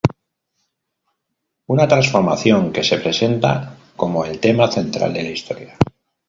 Una transformación que se presenta como el tema central de la historia.